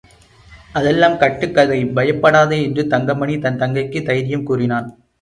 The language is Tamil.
அதெல்லாம் கட்டுக்கதை பயப்படாதே என்று தங்கமணி தன் தங்கைக்குத் தைரியம் கூறினான்.